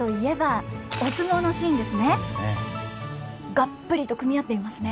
がっぷりと組み合っていますね。